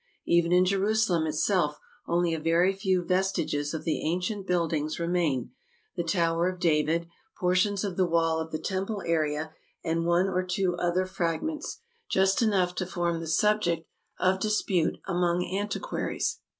Even in Jerusalem itself only a very few vestiges of the ancient buildings remain ; the Tower of David, portions of the wall of the Temple area, and one or two other fragments — just enough to form the subject of dispute among antiquaries.